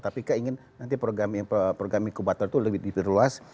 tapi keingin nanti program incubator itu lebih diperluas